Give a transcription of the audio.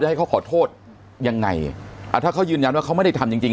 ให้เขาขอโทษยังไงอ่าถ้าเขายืนยันว่าเขาไม่ได้ทำจริงจริง